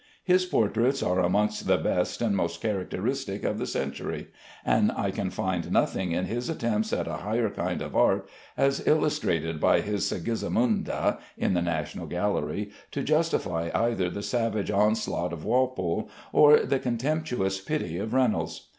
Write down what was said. His portraits are amongst the best and most characteristic of the century, and I can find nothing in his attempts at a higher kind of art, as illustrated by his "Sigismunda" (in the National Gallery), to justify either the savage onslaught of Walpole or the contemptuous pity of Reynolds.